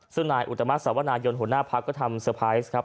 ซึ่งนายอุตมะสวนายนหัวหน้าพักก็ทำเตอร์ไพรส์ครับ